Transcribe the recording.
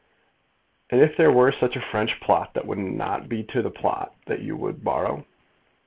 "And if there were such a French plot that would not be the plot that you would borrow?"